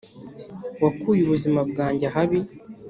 wakuye ubuzima bwajye ahabi